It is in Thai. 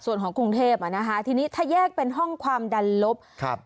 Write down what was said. ส่วนของกรุงเทพฯทีนี้ถ้าแยกเป็นห้องความดันลบ